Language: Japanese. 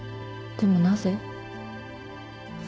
でもなぜ？